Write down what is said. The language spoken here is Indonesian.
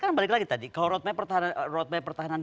kan balik lagi tadi kalau road map pertahanan